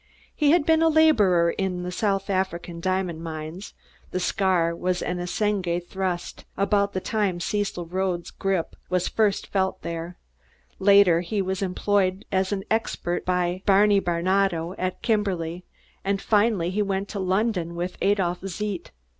He had been a laborer in the South African diamond fields the scar was an assegai thrust about the time Cecil Rhodes' grip was first felt there; later he was employed as an expert by Barney Barnato at Kimberly, and finally he went to London with Adolph Zeidt.